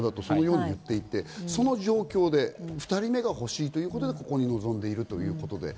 その状況で２人目が欲しいということでここに及んでいる。